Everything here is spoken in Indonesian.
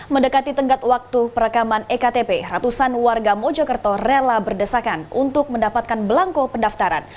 mendekati tenggat waktu perekaman ektp ratusan warga mojokerto rela berdesakan untuk mendapatkan belangko pendaftaran